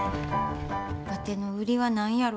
わての売りは何やろか？